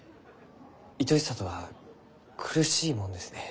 いとしさとは苦しいもんですね。